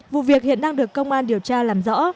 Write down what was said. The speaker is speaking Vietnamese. vụ việc hiện đang được công an điều tra làm rõ